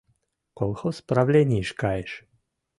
Колхоз правленийыш кайыш.